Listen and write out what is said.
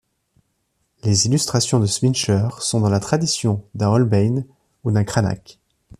Les illustrations de Zwintscher sont dans la tradition d'un Holbein ou d'un Cranach.